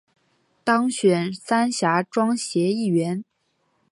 当选三峡庄协议员